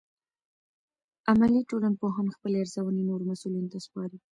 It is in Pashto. عملي ټولنپوهان خپلې ارزونې نورو مسؤلینو ته سپاري.